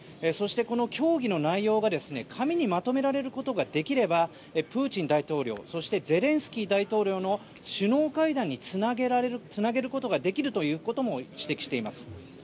そしてこの協議の内容が紙にまとめられることができればプーチン大統領そして、ゼレンスキー大統領の首脳会談につなげることができるということも指摘しています。